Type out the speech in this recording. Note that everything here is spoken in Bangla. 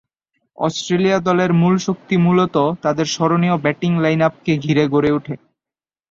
অস্ট্রেলিয়া দলের মূল শক্তি মূলতঃ তাঁদের স্মরণীয় ব্যাটিং লাইন-আপকে ঘিরে গড়ে উঠে।